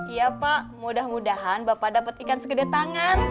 iya pak mudah mudahan bapak dapat ikan segede tangan